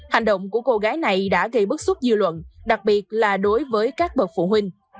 hành động của cô gái này đã gây bức xúc dư luận đặc biệt là đối với các bậc phụ huynh